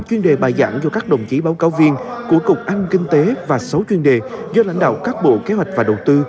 chuyên đề bài giảng do các đồng chí báo cáo viên của cục anh kinh tế và sáu chuyên đề do lãnh đạo các bộ kế hoạch và đầu tư